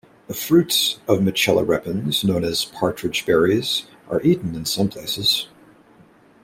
The fruits of "Mitchella repens", known as partridge berries, are eaten in some places.